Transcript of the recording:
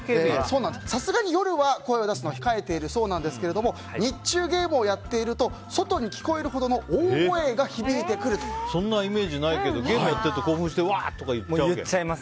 さすがに夜は声を出すのを控えているそうなんですが日中にゲームをやっていると外に聞こえるほどのそんなイメージないけどゲームやってると興奮してわー！とか言っちゃうの？